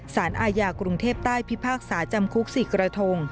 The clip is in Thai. สารอาญากรุงเทพใต้พิพากษาจำคุก๔กระทง